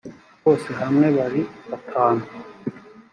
bose hamwe bari batanu